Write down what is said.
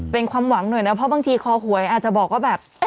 เป็นความหวังหน่อยนะเพราะบางทีคอหวยอาจจะบอกว่าแบบ